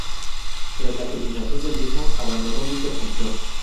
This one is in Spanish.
Tras la culminación del mismo, abandonó dicha función.